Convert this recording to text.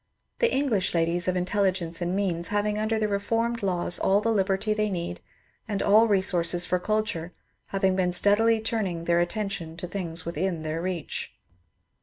The English ladies of intelligence and means, having under the reformed laws all the liberty they need, and all resources for culture, have been steadily turning their attention to things within their reach.